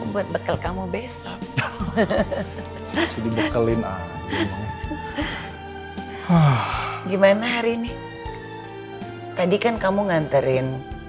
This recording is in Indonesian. buat bekal kamu besok hehehe dibekelin ah gimana hari ini tadi kan kamu nganterin